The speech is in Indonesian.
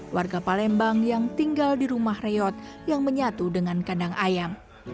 warga palembang yang tinggal di rumah reyot yang menyatu dengan kandang ayam